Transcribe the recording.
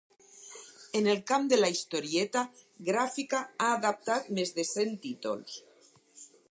En el camp de la historieta gràfica ha adaptat més de cent títols.